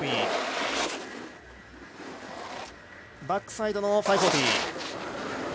バックサイドの５４０。